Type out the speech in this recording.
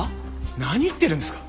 何言ってるんですか？